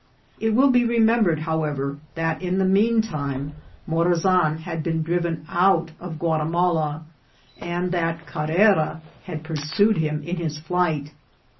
It will be remember ed, however, that in the mean time Morazan had been driven out of Guatimala, and that Carrera had pursued him in his flight.